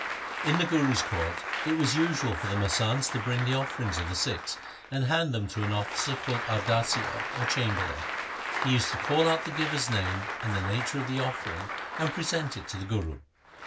1 In the Guru's court it was usual for the masands to bring the offerings of the Sikhs and hand them to an officer called Ardasia or chamberlain. He used to call out the giver's name and the nature of the offering and present it to the Guru.